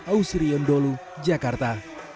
ausri yondolu jakarta